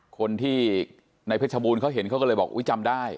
คนที่ในเพชรบูรณเขาเห็นเขาก็เลยบอกอุ๊ยจำได้